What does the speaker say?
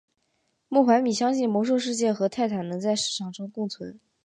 莫怀米相信魔兽世界和泰坦能在市场上共存。